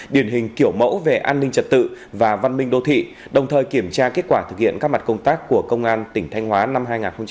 điển hình kiểu mẫu về an ninh trật tự và văn minh đô thị đồng thời kiểm tra kết quả thực hiện các mặt công tác của công an tỉnh thanh hóa năm hai nghìn hai mươi ba